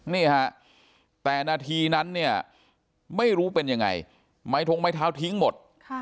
นี่ฮะแต่นาทีนั้นเนี่ยไม่รู้เป็นยังไงไม้ทงไม้เท้าทิ้งหมด